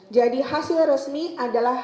jadi hasil resmi adalah